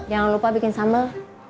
jangan lupa bikin sambel